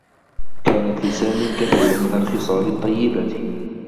كانت لسامي الكثير من الخصال الطّيّبة.